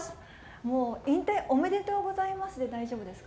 もう引退おめでとうございますで大丈夫ですか？